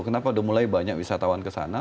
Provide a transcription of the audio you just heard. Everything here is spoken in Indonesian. kenapa udah mulai banyak wisatawan kesana